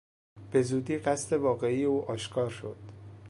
به زودی قصد واقعی او آشکار شد.